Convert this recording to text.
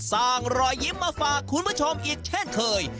รอยยิ้มมาฝากคุณผู้ชมอีกเช่นเคย